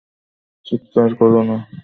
চিৎকার করো না।